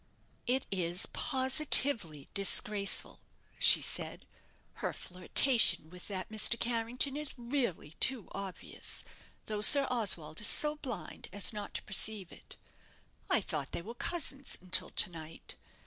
"It is positively disgraceful," she said; "her flirtation with that Mr. Carrington is really too obvious, though Sir Oswald is so blind as not to perceive it. I thought they were cousins until to night.